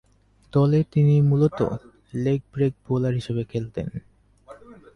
দলে তিনি মূলতঃ লেগ ব্রেক বোলার হিসেবে খেলতেন।